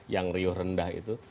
yang riuh rendah itu